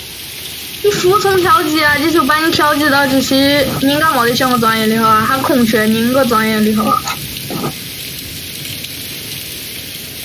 新巴比伦王国国王那波帕拉萨尔派其子尼布甲尼撒二世率领联军进攻亚述的残余势力。